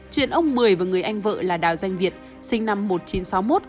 chuyện ông mười và người anh vợ là đào danh việt sinh năm một nghìn chín trăm sáu mươi một